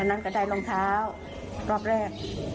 นั้นก็ได้รองเท้ารอบแรก